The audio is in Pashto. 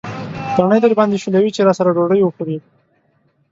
تڼۍ درباندې شلوي چې راسره ډوډۍ وخورې.